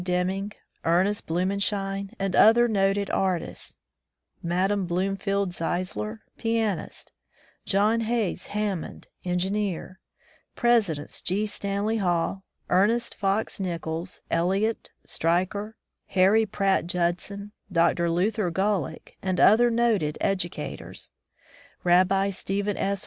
Deming, Ernest Blumenschein, and other noted artists; Mme. Bloomfield Zeisler, pianist; John Hays Hanmiond, engineer; Presidents G. Stanley Hall, Ernest Pox Nichols, Eliot, Stryker, Harry Pratt Judson, Dr. Luther Gulick, and other noted educators ; Rabbi Stephen S.